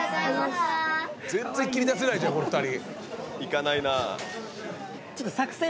全然切り出せないじゃんこの２人。